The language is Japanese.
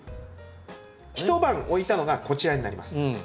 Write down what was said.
一晩置いたのがこちらになります。